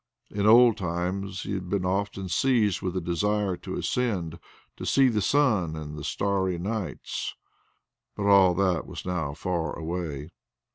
In old times he had been often seized with a desire to ascend, to see again the sun and the starry nights, but all that was now far away.